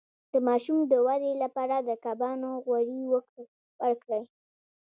د ماشوم د ودې لپاره د کبانو غوړي ورکړئ